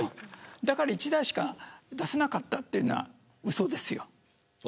だから１台しか出せなかったというのはうそですよ。